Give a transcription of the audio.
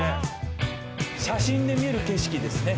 写真で見る景色ですね。